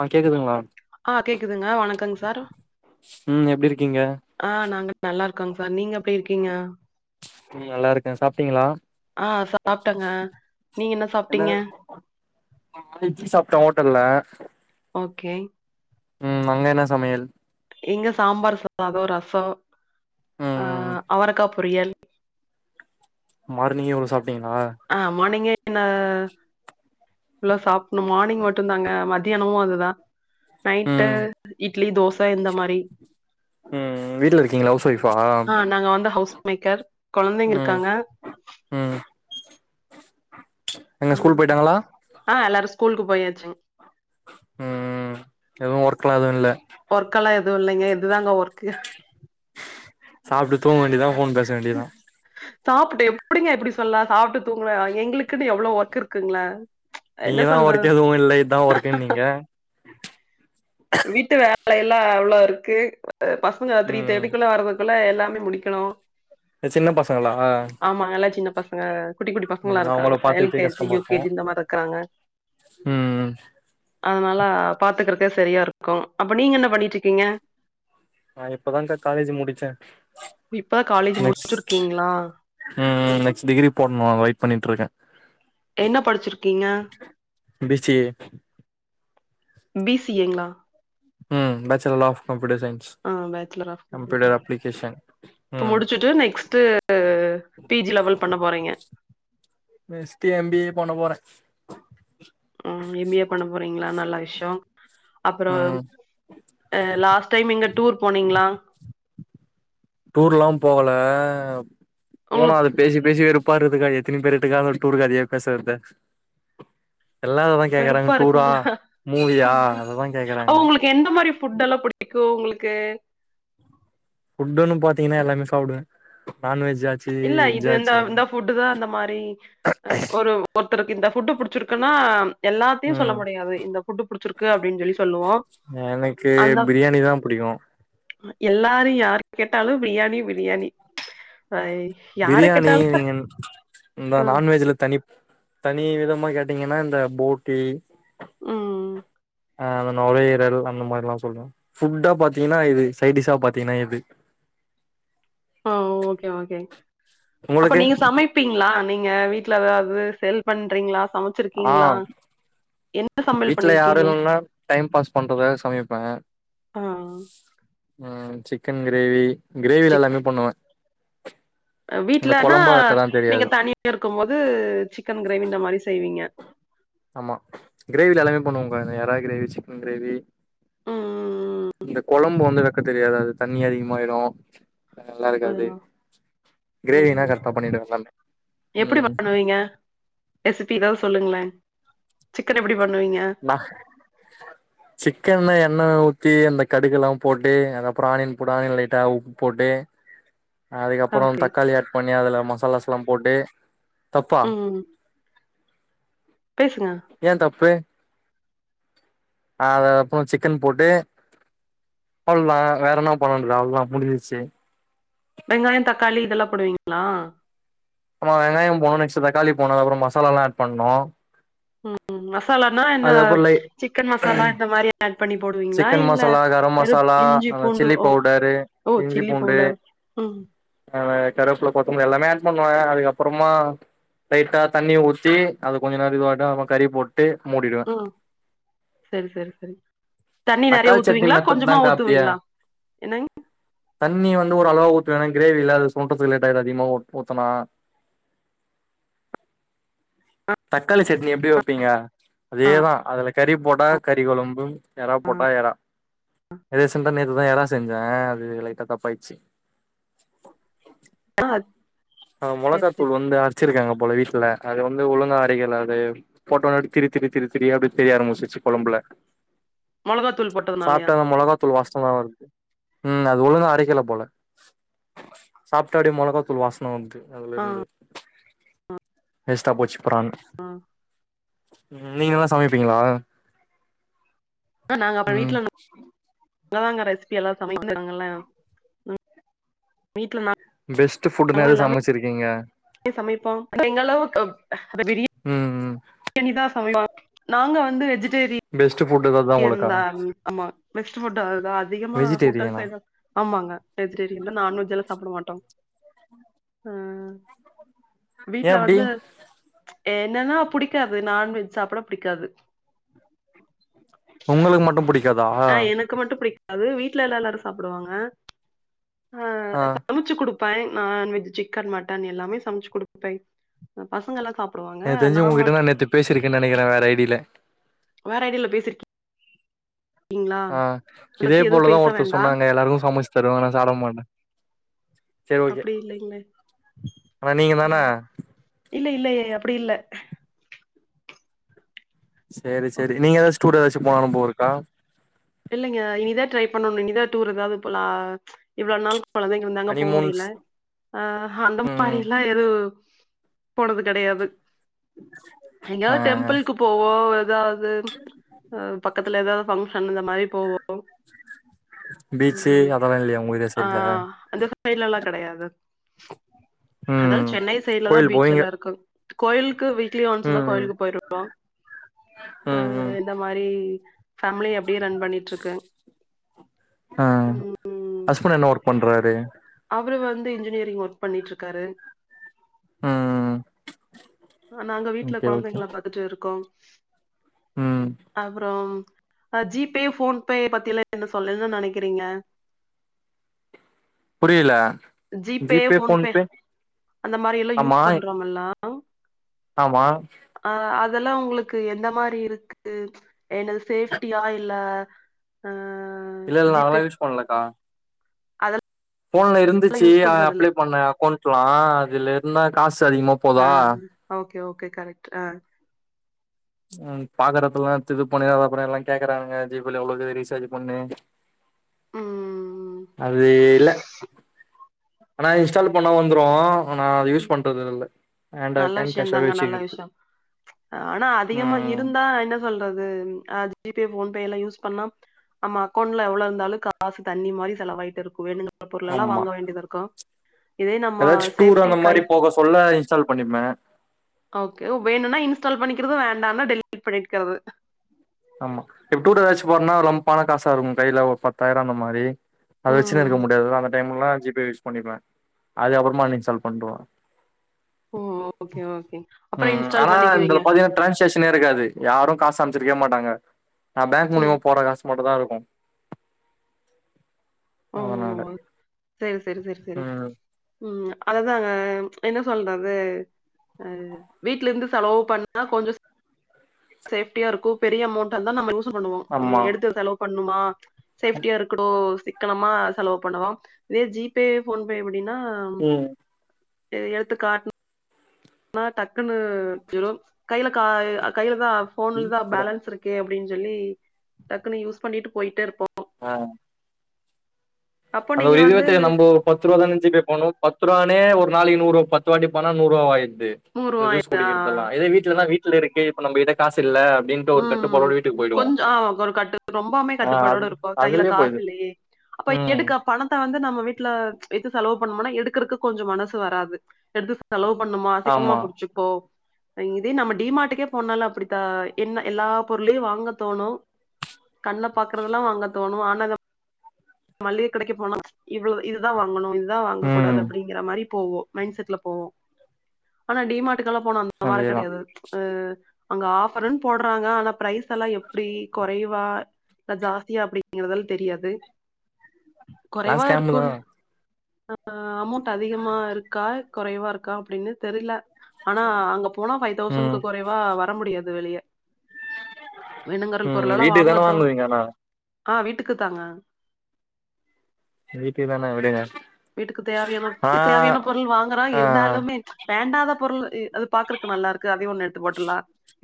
ஆஹ் கேக்குதுங்களா ஆஹ் கேக்குதுங்க வணக்கங்க சார் உம் எப்டி இருக்கீங்க கன்பார்ம் நீங்க எப்டி இருக்கீங்க உ நல்லா இருக்கேன் சாப்பிட்டீங்களா ஆ சாப்ட்டங்க நீங்க என்ன சாப்பிட்டீங்க வெஜ் சாப்பிட்டேன் ஹோட்டல்ல ஓகே உம் அங்க என்ன சமையல் இங்க சாம்பார் சாதம் ரசம் ம் ம் அஹ் அவரக்கா பொரியல் மார்னிங்கே எவ்ளோ சாப் ஆஹ் மார்னிங்கே என்ன புல்லா சாப்பிடணு மார்னிங் மட்டும் தாங்க மத் தியியானமும் அதுதான் நைட்டு ம் இட்லி தோசை இந்த மாதிரி ம் வீட்ல இருக்கீங்களா ஹவுஸ் வைஃப்பா ஹவுஸ் மேக்கர் குழந்தைங்க இருக்காங்க ம் எங்க ஸ்கூல் போயிட்டாங்களா ஆஹ் எல்லாரும் ஸ்கூலுக்கு போயாச்சுங் உம் எதுவும் ஒர்க்கலா எதுவும் இல்ல வொர்க்கெல்லா எதுவு இல்லைங்க இதுதாங்க ஒர்க்கு சாப்ட்டு தூங்க வேண்டிதா ஃபோன் பேச வேண்டிதா சாப்பிட்டு எப்டிங்க இப்டி சொல்லாம் சாப்ட்டு தூங்கல எங்களுக்குன்னு எவ்ளோ ஒர்கு இருக்குங்ள என்ன நீங்க தா சொல்ற ஒர்க் எதுவு இல்ல இதா ஒர்க்குன்னீங்க வீட்டு வே வேலையெல்ல எவ்ளோ இருக்கு பசங்க த்ரீ ம் தேட்டிக்குள்ள வர்றதுக்குள்ள எல்லாமே முடிக்கணு சின்ன பசங்களா ஆமாங்க எல்லா சின்ன பசங்க குட்டி குட்டி பசங்களா ம் இருக்காங்க அவங்கள பாத்துக்கிட்டே எல்கேஜி கஷ்டமா இருக்கு யுகேஜி இந்த மாரி இருக்கறாங்க ம் அதனால பாத்துக்கறக்கே சரியா இருக்கு அப்ப நீங்க என்ன பண்ணிட்டு இருக்கீங்க ஆ இப்பதான்கா காலேஜ் முடிச்ச இப்ப காலேஜ் முடிச்சிருக்கீங்களா ம் நெக்ஸ்ட் டிகிரி போட்ணு வெயிட் பண்ணிட்டு இருக்க என்ன படிச்சிருக்கீங்க பி சி ஏ பிசிஏங்களா ம் பேச்சுலர் ஆஃப் கம் ஆ பேச்சுலர் ஆஃப் கம் அப்ளிகேஷன் இப்ப ம் முடிச்சுட்டு நெக்ஸ்ட் பிஜி லெவல் பண்ண போறீங்க நெக்ஸ்ட் எம்பிஏ பண்ண போற ம் எம் பி ஏ பண்ண போறீங்களா நல்ல விஷய அப்பற ம் அ லாஸ்ட் டைம் இங்க டூர் போனீங்ளா டூர்ல்லா போகல மூணா அத உங்களுக்கு பேசி பேசி ப்பா இருக்குதுக்கா எத்தினி பேருகிட்ட டூர் கதயே பேசறது வெறுப்பா இருக்குங்க மூவியா அததா ஆ கேக்குறாங்க உங்களுக்கு எந்த மாதிரி ஃபுட் எல்லா புடிக்கு உங்களுக் க ஃபுட்ன்னு பாத்தீங்கன்னா எல்லாமே சாப்புடுவே நான்வெஜ் ஆச்சு இல்ல வெஜ் இது இந்த ஆச்சு எல்லா இந்த ஃபுட்டு தா இந்த மாரி ஒரு ஒருத்தருக்கு இந்த ஃபுட்டு புடிச்சிருக்குன்னா அ எல்லாத்தையு சொல்ல ம் முடியாது இந்த ஃபுட்டு புடிச்சிருக் எனக்கு அந்த பிரியாணி தா புடிக்கு எல்லாரு யாரு கேட்டாலு பிரியாணி பிரியாணி யார பிரியாணி கேட்டாலு நீங்க இந்த ம் நான்வெஜ்ல தனி தனி விதமா க பாத்திங்கன்னா இந்த போட்டி ம் அ அந்த நுரையீரல் அந்த மாரி எல்லா சொல்ற ஃபுட்டா பாத்தீங்கன்னா இது சைடிஷா பாத்தீங்கன்னா இது ஆ ஓகே ஓகே அப்ப உங்களுக்கு நீங்க சமைப்பீங்களா நீ நீங்க வீட்ல ஏதாது செல் பண்றீங்களா சமைச்சிருக்கீங்களா என்ன சமையல் வீட்டுல யாரும் பண்ணிருக்கீங்க இல்லன்னா டைம் பாஸ் பண்றதுக்காக சமைப்ப ஆ ம் சிக்கன் கிரேவி கிரேவில எல்லாமே பண்ணுவ இந்த வீட்லன்னா கொழம்பா வெக்கலா நீங்க தெரியாது தனியா இருக்கும் போது சிக்கன் கிரேவி இந்த மாரி செய்வீங்க ஆமா கிரேவில எல்லாமே பண்ணுவேங்க எறா கிரேவி சிக்கன் கிரேவி ம் இந்த கொழம்பு வந்து வைக்க தெரியாதது அது தண்ணி அதிகமாயிரும் நல்லா இருக்காது அதுவா கிரேவினா ம் கரெக்டா பண்ணிடுவ எல்லாமே எப்படி ம் பண்ணுவீங்க ரெசிபிலாம் சொல்லுங்களே சிக்கன் எப்டி பண்ணுவீங்க? ந சிக்கன் என்ன ஊத் த்தி அந்த கடுகு எல்லா போட்டு அப்புறம் ஆனியன் லைட்டா உப்பு போட்டு அதுக்கப்பறம் ஓகே. தக்காளி ஆட் பண்ணி அதுல மசாலாசல்லாம் போட்டு தப்பா ம் பேசுங்க. ஏன் தப்பு அது அப்புறம் சிக்கன் போட்டு அவ்வளதான் வேற என்னா பண்ண வேண்டியது அவ்வளவுதான் முடிஞ்சிச்சு வெங்காயோ தக்காளி இதெல்லாம் போடுவீங்களா ஆமா வெங்காயம் போடணும் நெக்ஸ்ட் தக்காளி போடணும் அக்கப்புறம் மசால எல்லாம் ஆட் பண்ணணும் உம் மசாலானா என்ன சிக்கன் மசாலா இந்த மாதிரி ஆட் பண்ணி போடுவீங்களா சிக்கன் இல்ல மசாலா கரம் வெறு மசாலா இஞ்சி அந்த பூண்டு சில்லி ஓ பவுடரு ஓ சில்லி பவுடர் உம் ஹ கருவேப்பிலை கொத்தமல்லி எல்லாமே ஆட் பண்ணுவே அதுக்கப்புறமா லைட்டா தண்ணி ஊத்தி அது கொஞ்ச நேரம் இதுவாட்டும் அப்பமா கறி போட்டு மூடிடுவே ம் செரி செரி செரி தண்ணி நெறைய தக்காளி சட்னி ஊத்துவீங்களா மெத்தட் கொஞ்சமா தான்கா அப்டியே ஊத்துவீங்களா என்னங்க தண்ணி வந்து ஒரு அளவா ஊத்துவே எனா கிரேவி இல்ல அது சுண்டறதுக்கு லேட்டாயிடு அதிகமா ஊத்தனா [inaudible] தக்காளி சட்னி எப்படி வைப்பீங்க அதேதான் அதுல கறி போட்ட கறி கொழம்பு ஏற போட்டா ஏற எதாச்சுன் நேத்து தான் எறா செஞ்சேன் அது லைட்டா தப்பாயிச்சு ஆஹ் ஆஹ் மொளகாதூள் வந்துள அரைச்சிருக்காங்க போல வீட் ல அது வந்து ஒழுங்கா அரைக்கல அது போட்ட ஒடனே திருத்திரி திருத்திரியா அப்படி தெரிய ஆரம்பிச்சிருச்சு குழம்புல மொளகாத்தூள் போட்டதுனாலயா? சாப்பிட்டாங்க மொளகாத்தூள் வாசம் தான் வருது உம் அது ஒழுங்க அரைக்கல போல சாப்பிட்டா அப்படியே மொளகாத்தூள் வாசன வருது அதுல ஆ இருந்து வேஸ்டா போச்சுப் பிரான் உம் நீங்க நல்ல சமைப்பீங்களா உம் ங்கதங்க ரெசிபி எல்லாம் சமைக்கராங்கள வீட்டுல நா பெஸ்ட் ஃபுட் நா எது சமைச்சிருக்கீங்க சமைப்போம் அ எங்களவுக் பிரியா ம் ம் பிரியாணி தான் சமைப்ப நாங்க வந்து வெஜிட் பெஸ்ட்டு ந்தா ஆமா மோட்டோ தான் அதிகமா ஹோட்டல் வெஜிடேரியனா சைட்ல ஆமாங்க வெஜ்டேரியன் நான் வெஜ்ஜல்லா சாப்பிட மாட்டோம் உம் ஏ வீட்டுல அப்டி வந்து என்னன்னா புடிக்காது நான்வெஜ் சாப்பிட புடிக்காது உங்களுக்கு மட்டும் பிடிக்காத் ஆஹ் எனக்கு மட்டும் பிடிக்காது வீட்டுல எல்லா எல்லாரும் சாப்பிடுவாங்க ஆஹ் ஆ சமைச்சு குடுப் ப நான்வெஜ் சிக்கன் மட்டன் எல்லாமே சமைச்சு குடுப்பே பசங்க எல்லாம் சாப் எனக்கு தெரிஞ்சு உங்ககிட்ட நான் நேத்து பேசிருக்கேன்னு நினைக்கிறேன் வேற ஐடியில வேற ஐடியால பேசிருக்கீங்களா ஆஹ் அத இதே பத்தி எதுவு போலதான் பேச ஒருத்தர் வேண்டா சொன்னாங்க எல்லாருக்கும் சமைச்சு தருவ ஆனா சாப்ட மாட்டே சேரி ஓகே அப்டி இல்லைங்களே ஆனா நீங்க தான அஹ் இல்ல இல்லையே அப்படி இல்ல சேரி சேரி நீங்க ஏதாச்சு டூர் ஏதாச்சும் போகானும் போல இருக்கா இல்லைங்க இனிதான் ட்ரை பண்ணணும் இனிதான் டூர் எதாது போலாம் இவ்வளோ நாள் கொழந்தைங்க இருந்தாங்க போக ஹனிமூன்ஸ் முடியல ஆஹ் அந்த ம் மாதிரில்லாம் எது போனது கிடையாது ஆ எங்கயாவது டெம்பிள்கு போவோம் ஏதாவ து பக்கத்துல ஏதாவது பங்க்ஷன் இந்த மாதிரி போவோம் பீச்சு உம் அதெல்லா இல்லையா உங்க ஏரியா சைட்ல ஆஹ் அந்த சைடலல்லா கிடையாது அதா ம் சென்னை சைட்ல தான் கோயில் பீச்ச போவீங்க எல்லாம் இருக்கும் கோயிலுக்கு வீக் க்லி ஒன்ஸ் தா ம் கோயிலுக்கு போயிருவோம் ம் ம் ஆஹ் ம் இந்த மாரி ஃபேமிலி அப்படியே ரன் பண்ணிட்டு இருக்கேன் ஆ ஹஸ்பண்ட என்ன ஒர்க் பண்றாரு அவரு வந்து இன்ஜினியரிங் ஒர்க் பண்ணிட்டு இருக்காரு ம் நாங்க வீட்டுல ஓகே ஓகே குழந்தைங்கள பாத்துட்டு இருக்கோ ம் அப்புறம் ஜி பே போன்பே பத்தி எல்லாம் என்ன சொல்லன்னு நினைக்கிறீங்க புரியல ஜி பே போன்ப அந்த மாதிரி எல்லாம் ஆமா யூஸ் பண்றோல்லா ஆமா அ அதெல்லாம் உங்களுக்கு எந்த மாதிரி இருக்கு என்னது சேஃப்டியா இல்ல ஆ இல்ல இல்ல நா அதெல்லா யூஸ் பண்ணலக்கா அதெல்லா போன்ல இருந்துச்சு யூஸ் பண்றது இல்ல அப்ளை பண்ண அக்கௌண்ட்லா அதுல இருந்தா காசு அதிகமா ஆ போதா ஓகே ஓகே கரெக்ட் ஆ உம் பாக்குறப்பலாம் இது பண்ணு அத பண்ணு அப்புறம் எல்லாம் கேக்குறாங்க ஜி பேல எவ்வளவு ரீசார்ஜ் பண்ணு உம் அது இல்ல ஆனா இன்ஸ்டால்ல பண்ணா வந்துரும் ஆனா அது யூஸ் பண்றது இல்ல ஹண்டா நல்ல கேன் கேஷ்சாவே விஷயந்தாங்க நல்ல வச்சுக்குறது விஷயம் ஆனா அதிகமா இருந்தா என்ன சொல்றது அ ஜி பே போன்பே எல்லாம் யூஸ் பண்ணா நம்ம அக்கௌண்ட்ல எவ்ளா இருந்தாலும் காசு தண்ணி மாரி செலவாயிட்டே இருக்கு வேணுக பொருலேல்லா ஆமா வாங்க வேண்டியதா இருக்கும் இதே நம்ம ஏதாச்சு சேஃப டூர் அந்த மாதிரி போக சொல்ல இன்ஸ்டால் பண்ணிப்ப ஓகே வேணும்னா இன்ஸ்டால் பண்ணிக்கிறது வேண்டாம்னா டெலீட் பண்ணிக்றது ஆமா இப்ப டூர் ஏதாச்சும் போறோனா ரம் பணம் காசா இருக்கும் கையில ஒரு பத்தாயிரம் அந்த மாதிரி அத வச்சுன்னு இருக்க ம் முடியாது அந்த டைம்லலா ஜிப் பே யூஸ் பண்ணிப்ப அது அப்புறமா அன் இன்ஸ்டால் பண்டுவ உம் ம் ஆனா இத்தல பாத்தீங்கன்னா டிரான்சேஷனே இருக்காது யாரும் காசு அனுப்ச்சு இருக்க மாட்டாங்க நா பேங்க் மூலிமா ம் போற காசு மட்டும் தா இருக்கும் ஓ செரி செரி செரி செரி ம் உம் அதுதாங்க என்ன சொல்றது ஆ வீட்ல இருந்து செலவு பண்ணா கொஞ்ச சேஃப்டியா இருக்கும் பெரிய அமௌண்ட் இருந்தா நம்ம யூஸ் பண்ணுவோ ஆமா எடுத்து செலவு பண்ணுமா சேப்டியா இருக்கனு சிக்கனமா செலவு பண்ணுவா இதே ஜி பே போன் பே எப்படின்னா ம் எடுத்து காட்ட ஆனா டக்குன்னு கில கா கையில தா போன்லதா பேலன்ஸ் இருக்கே அப்படின்னு சொல்லி டக்குன்னு யூஸ் பண்ணிட்டு போயிட்டே இருப்போம் ஆ அப்போ அந்த நீங்க ஒரு இதுவே வந்து தெரியாது நம்ம ஒரு பத்து ரூபா தா ஜி பே பன்னவோ பத்து பத்துரூபானே ஒரு நாளைக்கு நூறு பத்து வாட்டி பனா நூறுரூவா ஆய்ருது இந்த ஜூஸ் நூறுவாயா குடிக்கிறதுத எல்லா இதே வீட்லலா வீட்டு இருக்கு இப்ப நம்ம கிட்ட காசு இல்ல அப்டின்ட்டு ஒரு உம் கட்டுப்பாடோட வீட்டுக்கு போயிடுவோ கொஞ்சம் ஆ ஒரு கட்டு ரொம்பாமே ஆ அது கட்டுப்பாடோடு இருப்போ கையில அதுலயே போயிடுது காசுல்லையே அப்ப ம் எடுக்க அப் பணத்த வந்து நம்ம வீட்டுல வைத்து செலவு பண்ணோம்னா எடுக்கிறதுக்கு கொஞ்சம் மனசு வராது எடுத்து செலவு பண்ணுமா சிக்கனமா ஆமா முடிச்சிக்கோ இதே நம டிமார்ட்டக்கே போனாலு அப்படிதா என்ன எல்லா பொருளையும் வாங்க தோணும் கண்ண பாக்குறதெல்லாம் வாங்க தோணும் ஆனா அத மளிக கடைக்கு போன இவ்வளவு இதுதா வாங்கணும் இதுதா வாங்கக்கூடாது ம் அப்படிங்கிற மாரி போவோம் மைண்ட செட்ல போவோம் ஆனா டிமார்ட்டுக்க எல்லா போனோ அந்த மாதிரி அதேதா கிடையாது ஆ அங்க ஆஃபருன்னு போடுறாங்க ஆனா பிரைஸெல்லா எப்டி கொறையும் வா இல்ல ஜாஸ்தியா அப்டீங்கறதால தெரியாது எல்லா கொறைவா ஸ்கேமு தா இர்க்குன் ஆ அமௌண்ட் அதிகமா இருக்கா கொறைவா இருக்கா அப்டின்னு தெரில ஆனா அங்க போனா ஃபைவ் ம் தௌசண்ட்க்கு கொறைவா வர முடியாது வெளியே வேனுங்கருல் ம் பொருளெல்லா வீட்டுக்கு வாங்க தான தோணு வாங்குவீங்க ஆனா ஆ வீட்டுக்கு தாங்க வீப்பி தானே விடுங்க வீட்டுக்கு தேவையான ஆ வீட்டுக்கு தேவையான பொருள் வாங்குறோ ஆ இருந்தாலுமே வேண்டாத பொருள் இ அது பாக்குறக்கு நல்லா இருக்கு அதையு ஒண்ணு எடுத்து போட்டுலா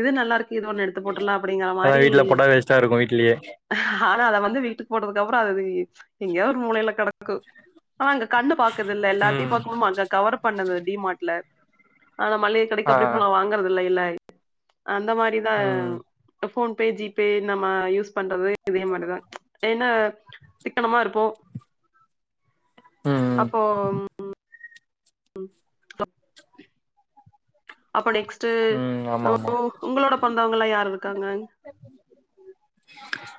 இது நல்லா இருக் இது ஒண்ணு எடுத்து போட்டுலா அப்டீங்கற அதா மாரி வீட்ல போட்டா வேஸ்ட்டா இருக்கு வீட்லயே ஹ ஆனா அத வந்து வீட்டுக்கு போட்டதுக்கு அப்புறோ அது எங்கேயாவாது மூலையில கெடக்கு ஆனா அங்க கண்ணு பாக்குது இல்ல எல்லாத்தையு ம் பாக்கும்போ அங்க கவர் பண்ணுது டீ மார்ட்ல ஆனா மளிகை கடைக்கு ஆ அப்டி போலா வாங்கறத இல்லை இல்லை அந்த மாரிதா அ ம் அப் ஃபோன்பே ஜி பே நம்ம யூஸ் பண்றது இதே மாதிரிதா என்ன சிக்கனமா இருப்போ ம் அப்போ ம் [unintelligible] அப்ப நெக்ஸ்ட்டு ம் ஆமா ஆமா உங்களோட பொறந்தவங்கலா யார் இருக்காங்கங்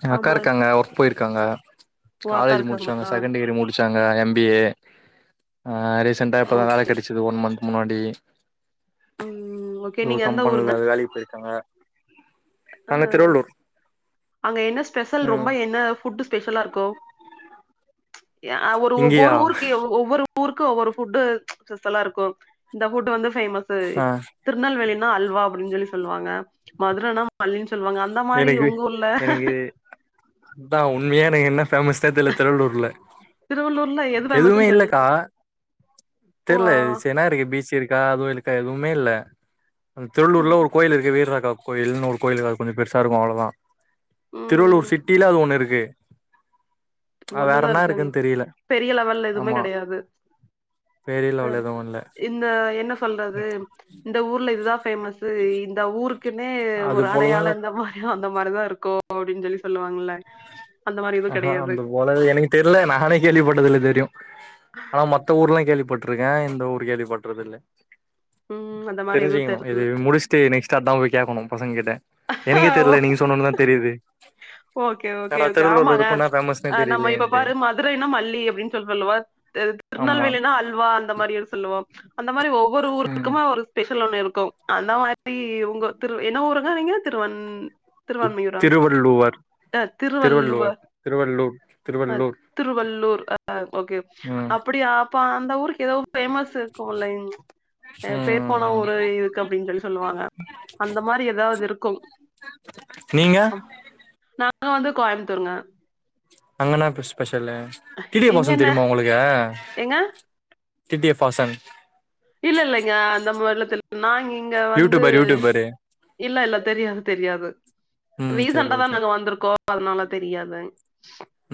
எங்க அக்கா இர்க்காங்க ஒர்க் போயிருக்காங்க ஓ அக்கா காலேஜு இருக்காங்களா முடிச்சாங்க செகண்டு இயரு முடிச்சாங் இங்க தா எம் பி ஏ அ ரீசன்டா இப்ப தா ஓகே வேல கெடைச்சுது ஒன் மந்த் முன்னாடி ம் ஓகே நீங்க எதோவொரு எந்த ஊருங்க கம்பென்ல வேலைக்கு போயிருக்காங்க அ நாங்க திருவள்ளூர் அங்க என்ன ஸ்பெஷல் ம் ரொம்போ என்ன ஃபுட் ஸ்பெஷலா இர்க்கோ எ அ ஒரு ஊ இங்கயா ஒவ்வோரு ஊருக்கு எ ஒவ்வோரு ஊருக்கு ஒவ்வோரு ஃபுட்டு ஸ்பெஸலா இருக்கோ இந்த ஃபுட்டு வந்து ஃபேமஸு ஆ திருநெல்வேலி னா அல்வா அப்டீன்னு சொல்லி சொல்வாங்க மதுரன மல்லினு சொல்வாங்க அந்த மாரி எனக்கு உங்க ஊர்ல எனக்கு அதா உண்மையா எனக்கு என்ன ஃபேமஸே தெர்ல திருவள்ளூர்ல திருவள்ளூர்ல எது எதுவுமே ஃபேமஸ்ன்னு தெர்ல இல்லக்கா ஓ தெர்ல இது செனாருக்கு பீ சி இருக்கா அதுவு இல் இருக்கா எதுவுமே இல்ல அந் திருள்ளூர்ல ஒரு ம் கோயில் இருக்கு வீரராகவா கோயில்னு ஒரு கோயிலு அ கொஞ்சோ பெர்சா இருக்கோ அவ்ளோதா ம் திருவள்ளூர் சிட்டீல அது ஒண்ணு இருக்கு வேற ஒண்ணுதா என்ன இருக்கா அங் இருக்குன்னு தெரியல பெரீய லெவல்ல எதுவுமே ஆமா கெடையாது பேரில அ அவ்ளோ எதுவு இல்ல இந்த என்ன சொல்றது இந்த ஊர்ல இதுதா ஃபேமஸ்சு இந்த ஊருக்குன்னே அது ஒரு போலலா அடையாளோ இல்ல இந்த மாரி அந்த இந்த மாரி தா இருக்கோ அப்டின்னு சொல்லி சொல்லுவாங்கல அந்த மாரி எதுவு கெடையாது அது எனக்கு தெர்ல நானே கேள்விப்பட்டது இல்ல இது வெரியு ஆனா மத்த ஊர்லா கேள்விப்பட் பட்ருக்கே இந்த ஊரு கேள்வி பட்றது இல்ல ம் அந்த மாரி எதுவு தெரிஞ்சுக்கணோ தெர் இது முடிச்ட்டு நெக்ஸ்ட் அதா போய் கேக்கணும் பசங்க கிட்ட எனக்கே ஓ தெர்ல நீங்க சொன்னோன்னதா தெரியுது ஓகே ஓகே ஓக் திருவள்ளூர்ல இருக்கோன்னா ஃபேமஸ் ஆ நம்ம இப்ப பாரு மதுரைனா மல்லி அப்டின்னு சொல்றோ இல்லவா தி ஆமா திருநெல்வேலினா அல்வா அந்த மாரியே சொ ல்லுவோ அந்த மாரி ஒவ்வோரு ம் ஊருக்குமே ஒரு ஸ்பெஷல் இன்னோன்னு இருக்கும் அந்த மாரி உங்க திரு என்ன ஊருங்க நீங்க திருவன் திருவான்மையூரா திருவள்ளுவர் திருவள்ளுவர் திருவள்ளூர் அ திருவள்ளூர் திருவள்ளூர் அ ஓகே ம் அப்புடியா அப்ப அந்த ஊருக்கு ஏதாவது ஃபேமஸ் இருக்கோ இல்லிங் ம் பேர் ம் போன ம் ஊரு இருக்கு அப்டின்னு சொல்லி சொல்லுவாங்க அந்த மாரி எதாவது இருக்கு நீங்க நாங்க வந்து கோயமுத்தூருங்க அங்கன்னாப்பு ஸ்பெஷல்லு திடியோ இங்க பாசோ என்ன தெரியுமா உங்குளுக்கே ஏங்க டி டி எஃப் வாசன் இல்ல இல்லங்க அந்த மாரிலாம் தெர்ல நாங்க இங்க வந்து யூடியூபர் யூடியூபரு இல்ல இல்ல தெரியாது தெரியாது ம் சரி ரீசண்டா தான் ஓகே நாங்க வந்திருக்கோம் அதனால தெரியாதங் ம்